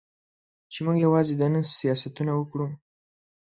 چې موږ یوازې د نن سیاستونه وکړو.